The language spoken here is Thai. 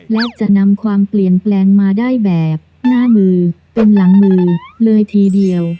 และจะนำความเปลี่ยนแปลงมาได้แบบหน้ามือเป็นหลังมือเลยทีเดียว